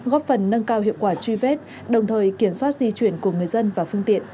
góp phần nâng cao hiệu quả truy vết đồng thời kiểm soát di chuyển của người dân và phương tiện